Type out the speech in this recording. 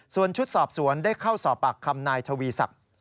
ส่วนชุดสอบสวนได้เข้าสอบปากคำนายทวีศักดิ์